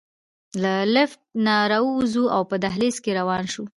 له لفټ نه راووځو او په دهلېز کې روان شو.